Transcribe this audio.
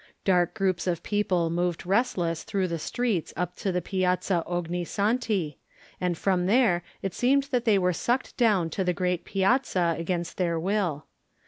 Dark groups of people moved restless through the streets up to the Piazza Ogni Santi, and from there it seemed that they were sucked down to the great piazza against their will.